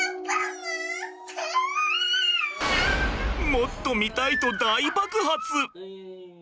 もっと見たいと大爆発！